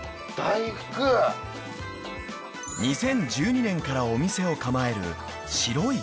［２０１２年からお店を構える］